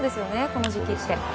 この時期って。